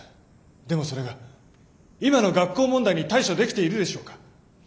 でもそれが今の学校問題に対処できているでしょうか。